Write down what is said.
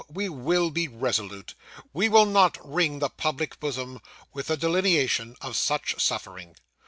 we will be resolute! We will not wring the public bosom, with the delineation of such suffering!